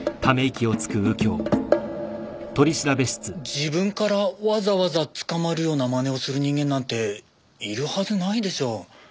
自分からわざわざ捕まるような真似をする人間なんているはずないでしょう。